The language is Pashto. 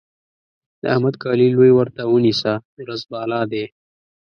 د احمد کالي لوی ورته ونيسه؛ ورځ بالا دی.